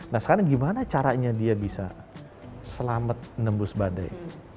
nah sekarang gimana caranya dia bisa selamat nembus badai